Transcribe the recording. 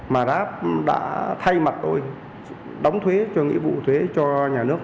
mà grab đã thay mặt tôi đóng thuế cho nghĩa vụ thuế cho nhà nước